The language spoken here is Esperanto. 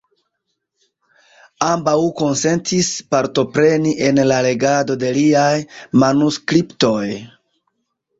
Ambaŭ konsentis partopreni en la legado de liaj manuskriptoj.